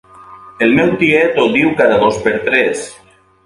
El meu tiet ho diu cada dos per tres.